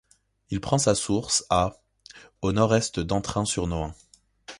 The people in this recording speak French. Il prend sa source à au nord-est d'Entrains-sur-Nohain.